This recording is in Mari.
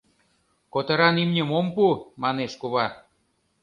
— Котыран имньым ом пу, — манеш кува.